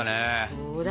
そうだよ。